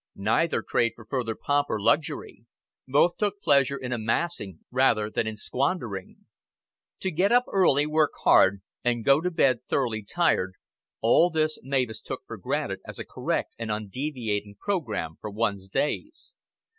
Neither craved for further pomp or luxury; both took pleasure in amassing rather than in squandering. To get up early, work hard, and go to bed thoroughly tired all this Mavis took for granted as a correct and undeviating program for one's days.